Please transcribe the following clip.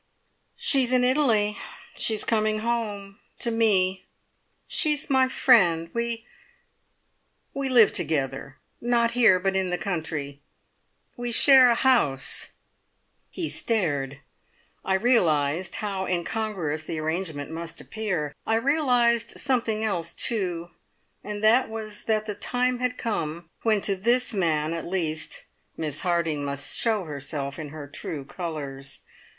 "She's in Italy. She's coming home. To me. She's my friend. We we live together. Not here, but in the country. We share a house " He stared. I realised how incongruous the arrangement must appear. I realised something else, too, and that was that the time had come when to this man, at least, Miss Harding must show herself in her true colours.